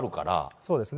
そうですね。